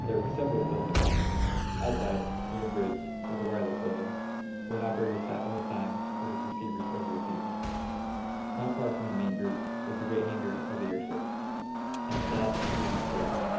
There were several buildings. Outside near the bridge was the wireless building, where an operator sat all the time with his receivers over his ears. Not far from the main group was the great hangar of the airship, and to that we went first.